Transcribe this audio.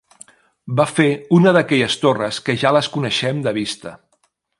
Va fer una d'aquelles torres que ja les coneixem de vista